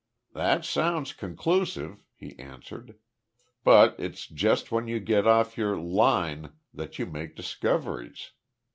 "That sounds conclusive," he answered. "But it's just when you get off your `line' that you make discoveries.